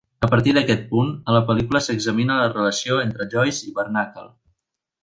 A partir d'aquest punt, a la pel·lícula s'examina la relació entre Joyce i Barnacle.